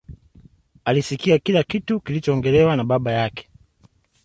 Alisikia kila kitu kilichoongelewa na baba yake